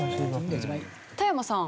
田山さん